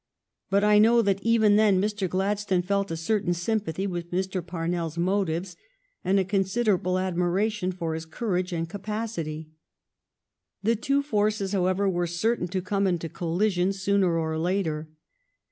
But I know that even then Mr. Glad stone felt a certain sympathy with Mr. Parnells motives and a considerable admiration for his courage and his capacity. The two forces, how ever, were certain to come into collision sooner or later.